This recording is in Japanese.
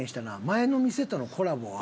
前の店とのコラボは。